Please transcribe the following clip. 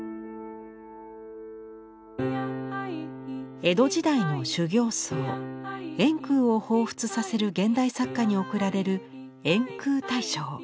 江戸時代の修行僧円空をほうふつさせる現代作家に贈られる「円空大賞」。